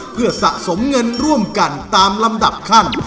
เพื่อสะสมเงินร่วมกันตามลำดับขั้น